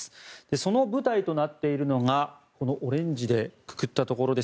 その舞台となっているのがこのオレンジでくくったところです。